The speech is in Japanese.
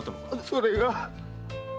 それが。